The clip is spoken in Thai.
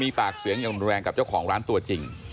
มีปากเสียงอย่างรุนแรงกับเจ้าของร้านตัวจริง